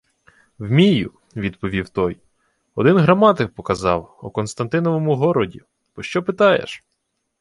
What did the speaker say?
— Вмію, — відповів той. — Один граматик показав у Константиновому городі. Пощо питаєш?